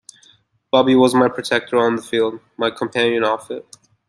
Bubby was my protector on the field, my companion off it.